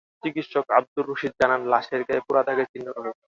চিকিৎসক আবদুর রশীদ জানান, লাশের গায়ে পোড়া দাগের চিহ্ন রয়েছে।